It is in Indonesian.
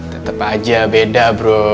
tetep aja beda bro